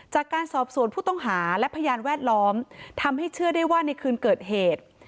จากการสอบสวนผู้ต้องหาและพยานแวดล้อมทำให้เชื่อได้ว่าในคืนเกิดเหตุ